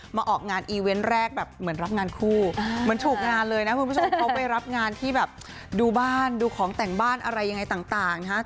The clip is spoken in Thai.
ออกงานอีเวนต์แรกแบบเหมือนรับงานคู่เหมือนถูกงานเลยนะคุณผู้ชมเขาไปรับงานที่แบบดูบ้านดูของแต่งบ้านอะไรยังไงต่างนะฮะ